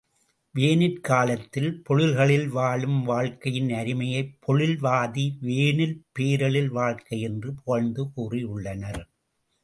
வேனிற் காலத்தில் பொழில்களில் வாழும் வாழ்க்கையின் அருமையைப் பொழில்வதி வேனில் பேரெழில் வாழ்க்கை என்று புகழ்ந்து கூறியுள்ளனர்.